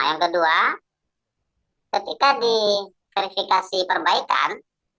yang kedua ketika di verifikasi perbaikan